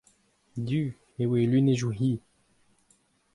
Du eo he lunedoù-hi.